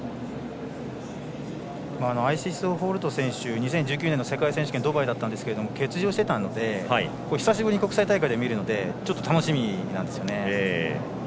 ２０１９年の世界選手権ドバイだったんですけども欠場していたので久しぶりに国際大会で見るので楽しみなんですね。